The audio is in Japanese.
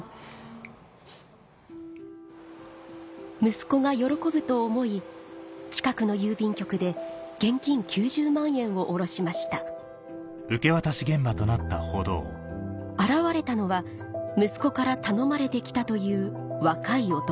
息子が喜ぶと思い近くの郵便局で現金９０万円を下ろしました現れたのは息子から頼まれて来たという若い男